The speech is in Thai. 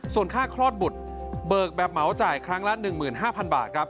ส่วนค่าคลอดบุตรเบิกแบบเหมาจ่ายครั้งละ๑๕๐๐บาทครับ